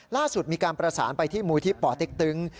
ล่าสุดมีการประสานไปที่มูลที่ป่อเต็กตึง